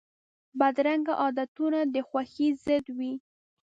بدرنګه عادتونه د خوښۍ ضد وي